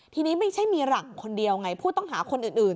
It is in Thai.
ทีนี้ไม่ใช่มีหลังคนเดียวไงผู้ต้องหาคนอื่น